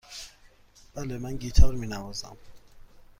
بله، من گیتار می نوازم.